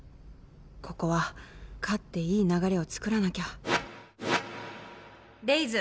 ここは勝っていい流れをつくらなきゃレイズ。